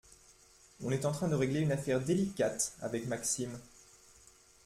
On est en train de régler une affaire délicate avec Maxime,